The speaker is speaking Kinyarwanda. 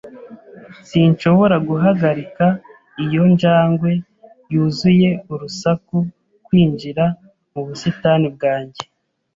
Sinshobora guhagarika iyo njangwe yuzuye urusaku kwinjira mu busitani bwanjye.